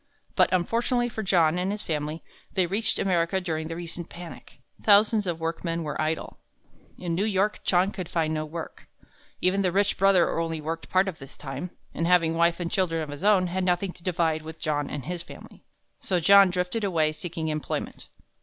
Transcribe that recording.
But unfortunately for John and his family, they reached America during the recent panic. Thousands of workmen were idle. In New York, John could find no work. Even the rich brother only worked part of the time, and having wife and children of his own, had nothing to divide with John and his family. So John drifted away seeking employment.